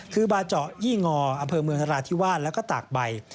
คือบาเจาะยี่งออำเภอเมืองนราธิวาสแล้วก็ตากใบ